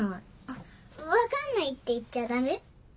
あっ「分かんない」って言っちゃダメ？